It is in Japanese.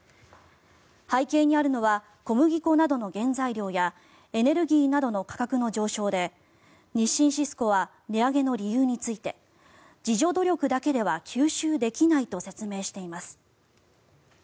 背景にあるのは小麦粉などの原材料やエネルギーなどの価格の上昇で日清シスコは値上げの理由について自助努力だけでは吸収できないと説明しています。